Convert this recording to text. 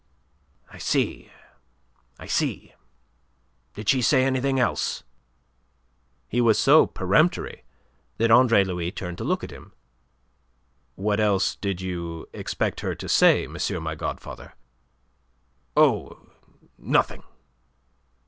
"I see. I see. Did she say anything else?" He was so peremptory that Andre Louis turned to look at him. "What else did you expect her to say, monsieur my godfather?" "Oh, nothing."